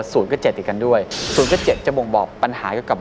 เจ็ดอีกกันด้วยศูนย์ก็เจ็ดจะบ่งบอกปัญหาเกี่ยวกับ